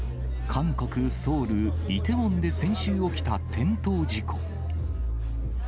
韓国・ソウル、イテウォンで先週起きた転倒事故。